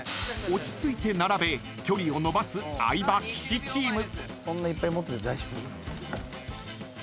［落ち着いて並べ距離をのばす相葉・岸チーム］